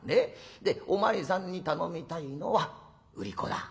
でお前さんに頼みたいのは売り子だ。